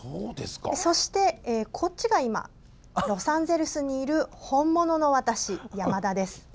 そして、こっちが今ロサンゼルスにいる本物の私、山田です。